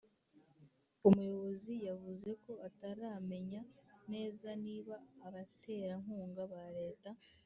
Umuyobozi yavuze ko ataramenya neza niba abaterankunga ba Leta